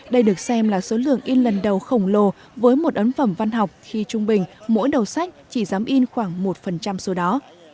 đây được xem là số lượng in lần đầu khổng lồ với một ấn phẩm văn học khi trung bình mỗi đầu sách chỉ dám in khoảng một số đó